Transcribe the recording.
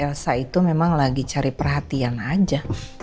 elsa itu memang lagi cari perhatian aja